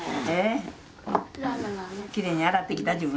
ええきれいに洗ってきた？